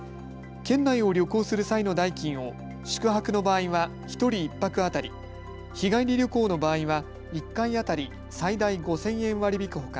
県内を旅行する際の代金を宿泊の場合は１人１泊当たり日帰り旅行の場合は１回当たり最大５０００円